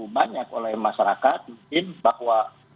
banyak oleh masyarakat mungkin bahwa